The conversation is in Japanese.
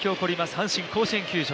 阪神甲子園球場。